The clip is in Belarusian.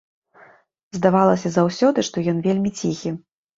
Здавалася заўсёды, што ён вельмі ціхі.